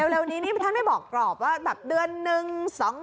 เร็วนี้ท่านไม่บอกรอบว่าเดือนนึง